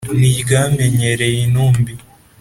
Ni iryamenyereye intumbi